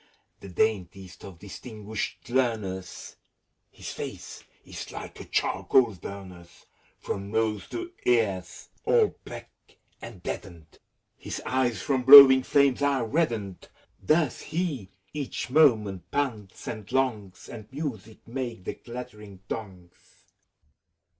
The daintiest of distinguished learners, His face is like a charcoal burner's. From nose to ears all black and deadened ; His eyes from blowing flames are reddened : Thus he, each moment, pants and longs, And music make the clattering tongs.